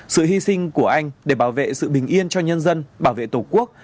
sự hy sinh của anh để bảo vệ sự bình yên cho nhân dân bảo vệ tổ quốc